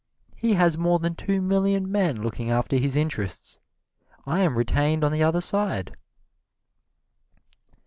He has more than two million men looking after his interests. I am retained on the other side!"